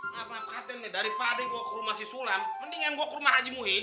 ngapain katanya daripada gua ke rumah si sulam mendingan gua ke rumah aji muhyiddin